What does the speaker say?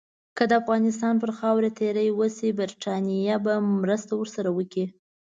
که د افغانستان پر خاوره تیری وشي، برټانیه به مرسته ورسره وکړي.